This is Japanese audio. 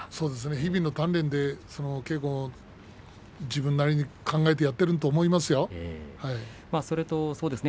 日々の鍛錬で稽古、自分なりに考えてやっているんだと思いますよ。